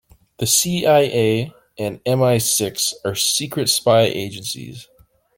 The CIA and MI-Six are secret spy agencies.